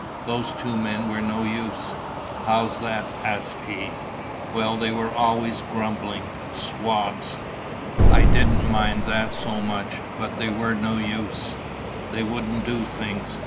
Those two men were no use." "How's that?" asked he. "Well, they were always grumbling." "Swabs." "I didn't mind that so much, but they were no use, they wouldn't do things.